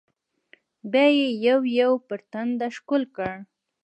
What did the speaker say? بيا يې يو يو پر ټنډه ښکل کړل.